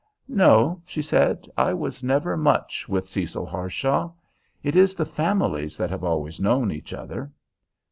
"No," she said. "I was never much with Cecil Harshaw. It is the families that have always known each other."